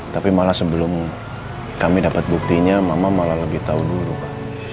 tapi malah sebelum kami dapat buktinya mama malah lebih tahu dulu pak